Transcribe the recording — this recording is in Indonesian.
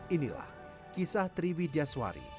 inilah kisah triwi diaswari